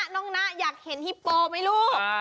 น้องน้าอยากเห็นฮิปโปไม่รู้